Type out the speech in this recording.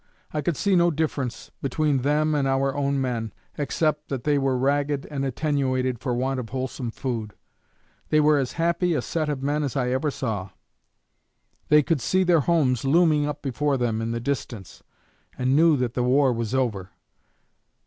I could see no difference between them and our own men, except that they were ragged and attenuated for want of wholesome food. They were as happy a set of men as ever I saw. They could see their homes looming up before them in the distance, and knew that the war was over.